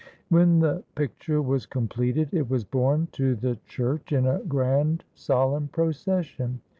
When the picture was completed, it was borne to the church in a grand solemn procession.